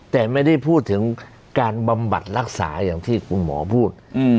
แต่ไม่ได้พูดถึงการบำบัดรักษาอย่างที่คุณหมอพูด